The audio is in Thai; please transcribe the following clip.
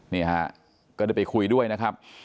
นี่ฮะก็ได้ไปคุยด้วยนะครับ